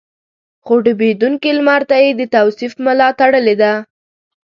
خو ډوبېدونکي لمر ته يې د توصيف ملا تړلې ده.